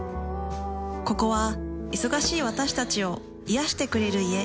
ここは忙しい私たちを癒してくれる家。